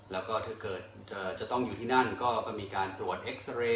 แล้วก็ถ้าเกิดจะต้องอยู่ที่นั่นก็มีการตรวจเอ็กซาเรย์